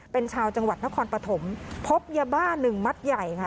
เป็นชาวจังหวัดนครปฐมพบยาบ้าหนึ่งมัดใหญ่ค่ะ